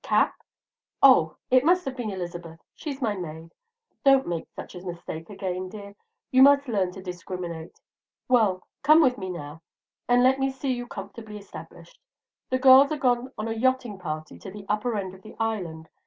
cap? Oh, it must have been Elizabeth. She's my maid, don't make such a mistake again, dear; you must learn to discriminate. Well, come with me now, and let me see you comfortably established. The girls are gone on a yachting party to the upper end of the island.